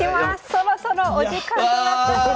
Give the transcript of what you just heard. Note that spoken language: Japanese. そろそろお時間となったそうです。